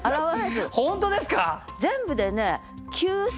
本当ですか！？